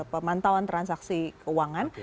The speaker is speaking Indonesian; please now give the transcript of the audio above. pemantauan transaksi keuangan